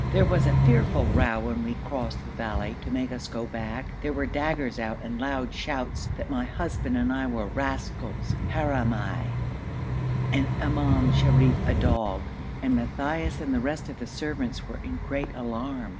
There was a fearful row when we crossed the valley, to make us go back, there were daggers out and loud shouts that my husband and I were rascals (harami) and Imam Sharif a dog, and Matthaios and the rest of the servants were in great alarm.